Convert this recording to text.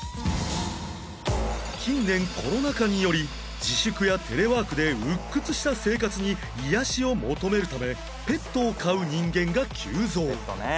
近年コロナ禍により自粛やテレワークで鬱屈した生活に癒やしを求めるためペットを飼う人間が急増